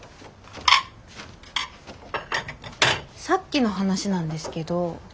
さっきの話なんですけど。